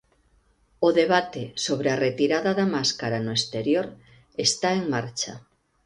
O debate sobre a retirada da máscara no exterior está en marcha.